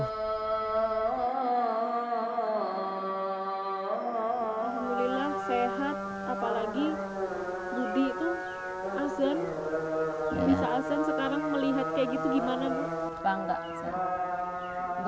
alhamdulillah sehat apalagi budi itu azan